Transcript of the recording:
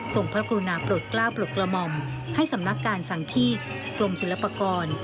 พระกรุณาปลดกล้าปลดกระหม่อมให้สำนักการสังฆีตกรมศิลปากร